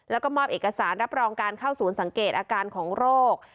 แล้วก็มอบเอกสารรับรองการเข้าศูนย์สังเกตอาการของโรค